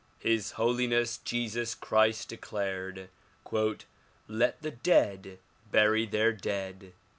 His Holiness Jesus Christ declared "Let the dead bury their dead."